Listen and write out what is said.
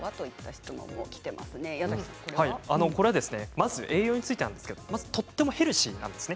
まず栄養についてですがとてもヘルシーなんですね。